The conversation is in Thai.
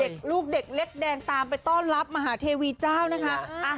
ลูกเด็กเล็กแดงตามไปต้อนรับมหาเทวีเจ้านะคะ